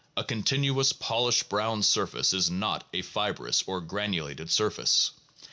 A continuous polished brown surface is not a fibrous or a granu lated surface.